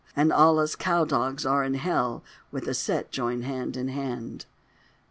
And all us cowdogs are in hell With a "set" joined hand in hand.